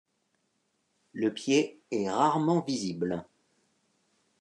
Le pied est rarement visible.